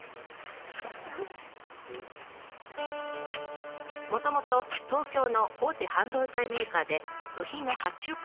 もともと東京の大手半導体メーカーで部品の発注管理を担当していた新坂さん。